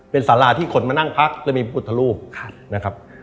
เป็นสาราที่คนมานั่งพักจะมีบุตรรูปนะครับ